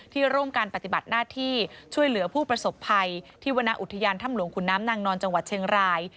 ร่วมการปฏิบัติหน้าที่ช่วยเหลือผู้ประสบภัยที่วรรณอุทยานถ้ำหลวงขุนน้ำนางนอนจังหวัดเชียงราย